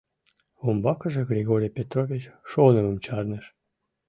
Умбакыже Григорий Петрович шонымым чарныш.